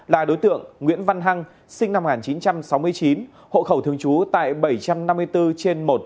là đối tượng nguyễn văn hăng sinh năm một nghìn chín trăm sáu mươi chín hộ khẩu thường trú tại bảy trăm năm mươi bốn trên một